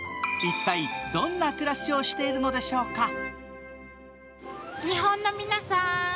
一体どんな暮らしをしているのでしょうか。